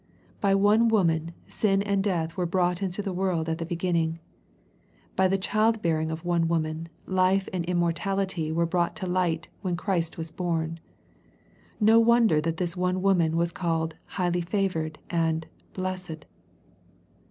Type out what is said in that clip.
By one woman, sin and death were brought into the world at the beginning. By the child bearing of one woman, life and immortality were brought to light when Christ was born. No wonder that this one woman was called " highly favored " and " dlessed."